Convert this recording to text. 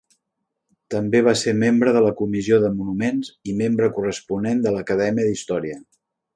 També va ser membre de la Comissió de Monuments i membre corresponent de l'Acadèmia d'Història.